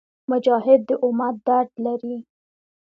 مجاهد د امت درد لري.